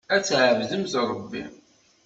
Ad tɛebdemt Ṛebbi.